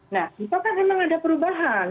nah itu kan memang ada perubahan